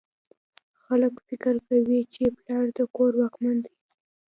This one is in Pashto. خلک فکر کوي چې پلار د کور واکمن دی